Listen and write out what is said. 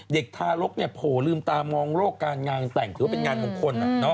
เด็กทารกโผล่ลืมตามองโลกการงานแต่งถือว่าเป็นงานของคน